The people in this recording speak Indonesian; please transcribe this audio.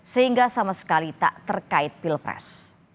sehingga sama sekali tak terkait pilpres